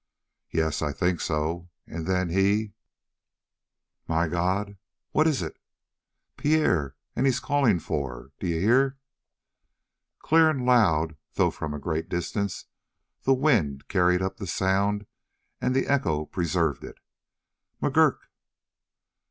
"Yes. I think so. And then he " "My God!" "What is it?" "Pierre, and he's calling for d'you hear?" Clear and loud, though from a great distance, the wind carried up the sound and the echo preserved it: "McGurk!"